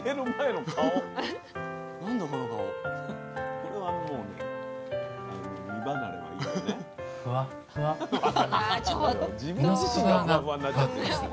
これはもうね身離れはいいよね。